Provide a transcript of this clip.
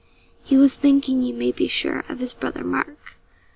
He was thinking, you may be sure, of his Brother Mark.